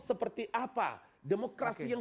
seperti apa demokrasi yang